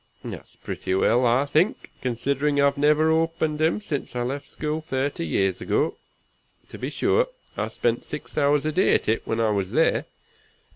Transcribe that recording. That's pretty well, I think, considering I've never opened him since I left school thirty years ago. To be sure, I spent six hours a day at it when I was there.